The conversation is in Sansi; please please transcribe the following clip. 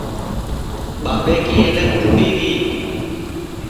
ٻاٻے کی اینک ٹوٹی گی